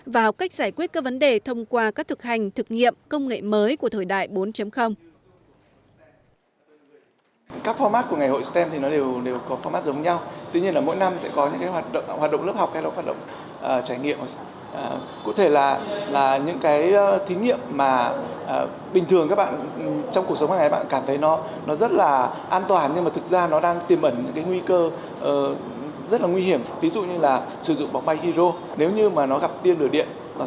và học cách giải quyết các vấn đề thông qua các thực hành thực nghiệm công nghệ mới của thời đại bốn